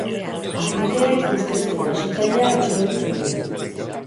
Agenteek ustezko erasotzailea atxilotu zuten.